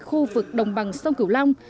khu vực đồng bằng sông cửu long